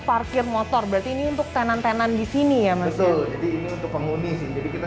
parkir motor berarti ini untuk tenan tenan di sini ya betul jadi ini untuk penghuni sih jadi kita